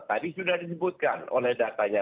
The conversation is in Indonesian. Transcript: tadi sudah disebutkan oleh datanya